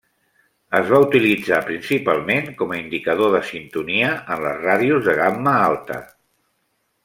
Es va utilitzar principalment com a indicador de sintonia en les ràdios de gamma alta.